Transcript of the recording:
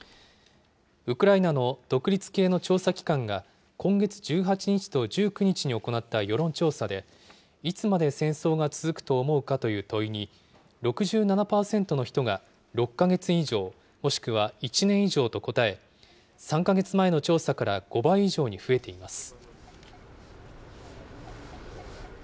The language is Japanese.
ウクライナの独立系の調査機関が、今月１８日と１９日に行った世論調査でいつまで戦争が続くと思うかという問いに、６７％の人が６か月以上、もしくは１年以上と答え、３か月前の調査から５倍以上に増えています。